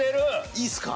いいですか？